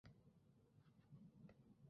这种鸟有着红色的短腿和黑色的喙。